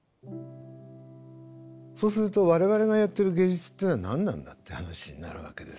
そうすると我々がやってる芸術っていうのは何なんだっていう話になるわけです。